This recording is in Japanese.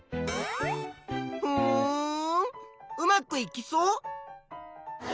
ふんうまくいきそう？